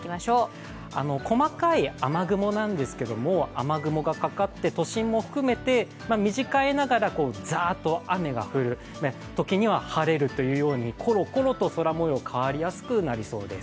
細かい雨雲なんですけども雨雲がかかって都心も含めて短いながらもざーっと雨が降る時には晴れるというころころと空もよう変わりやすくなりそうです。